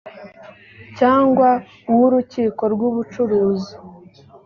cyangwa uw’urukiko rw’ubucuruzi